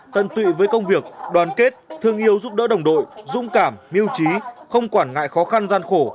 tận tụy với công việc đoàn kết thương yêu giúp đỡ đồng đội dung cảm mưu trí không quản ngại khó khăn gian khổ